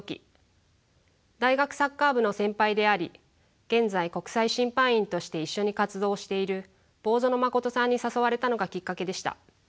大学サッカー部の先輩であり現在国際審判員として一緒に活動をしている坊薗真琴さんに誘われたのがきっかけでした。